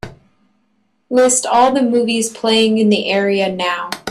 List all the movies playing in the area now.